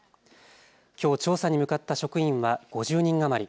きょう調査に向かった職員は５０人余り。